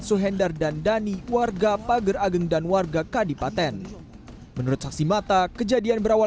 suhendar dan dhani warga pager ageng dan warga kadipaten menurut saksi mata kejadian berawal